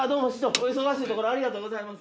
お忙しいところありがとうございます。